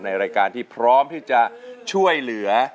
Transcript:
ในรายการที่พร้อมที่จะช่วยเหลือ